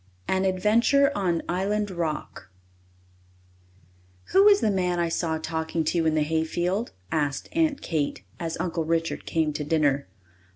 An Adventure on Island Rock "Who was the man I saw talking to you in the hayfield?" asked Aunt Kate, as Uncle Richard came to dinner.